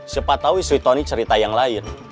siapa tau istri tony cerita yang lain